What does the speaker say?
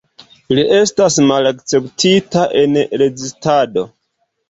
Li estas malakceptita en rezistado.